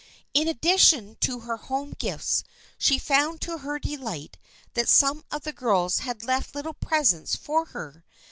In addi tion to her home gifts she found to her delight that some of the girls had left little presents for her.